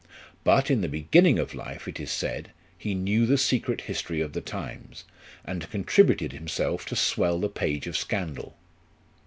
But in the beginning of life, it is said, he knew the secret history of the times, and contributed himself to swell the page of scandal.